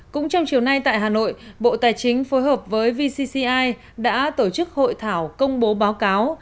cũng trong chiều nay tại hà nội bộ tài chính phối hợp với vcci đã tổ chức hội thảo công bố báo cáo